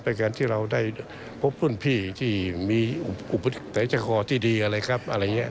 เป็นการที่เราได้พบทุนพี่ที่มีอุปสรรค์ที่ดีอะไรครับ